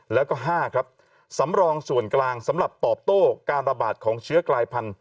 แล้วก็๕ครับสำรองส่วนกลางสำหรับตอบโต้การระบาดของเชื้อกลายพันธุ